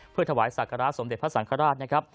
เพื่อถวายศักระสมเด็จพระสังฆราชนะครับ